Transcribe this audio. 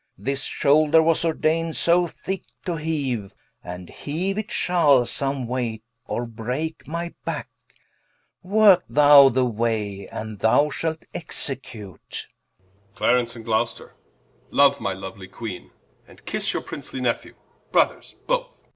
This shoulder was ordain'd so thicke, to heaue, And heaue it shall some waight, or breake my backe, Worke thou the way, and that shalt execute King. Clarence and Gloster, loue my louely Queene, And kis your Princely Nephew Brothers both Cla.